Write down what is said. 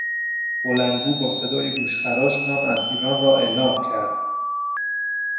بلندگو با صدای گوشخراش نام اسیران را اعلام کرد.